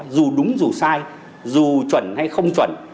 dù đúng dù sai dù chuẩn hay không chuẩn